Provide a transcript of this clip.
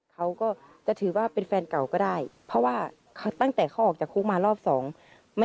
เรายื้อแย่งกับพ่อนะ